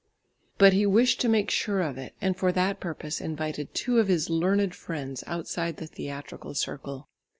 But he wished to make sure of it, and for that purpose invited two of his learned friends outside the theatrical circle.